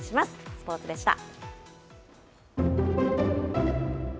スポーツでした。